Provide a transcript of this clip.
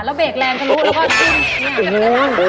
แล้วเบกแรงก็รู้แล้วก็ติ้ง